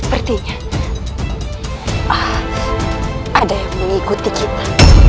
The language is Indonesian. ada yang mengikuti kita